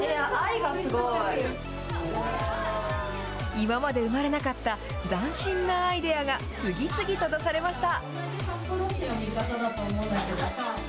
今まで生まれなかった斬新なアイデアが次々と出されました。